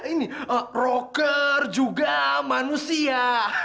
ini rocker juga manusia